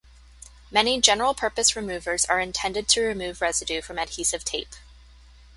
Many general purpose removers are intended to remove residue from adhesive tape.